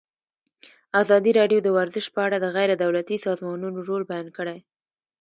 ازادي راډیو د ورزش په اړه د غیر دولتي سازمانونو رول بیان کړی.